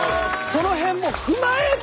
その辺も踏まえて。